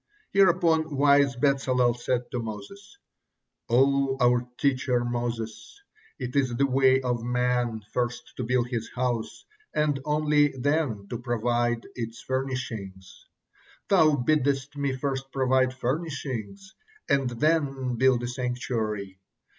Hereupon wise Bezalel said to Moses: "O our teacher Moses, it is the way of man first to build his house, and only then to provide its furnishings. Thou biddest me first provide furnishings and then build a sanctuary.